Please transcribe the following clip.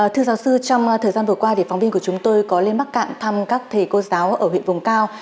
thưa giáo sư trong thời gian vừa qua phóng viên của chúng tôi có lên bắc cạn thăm các thầy cô giáo ở huyện vùng cao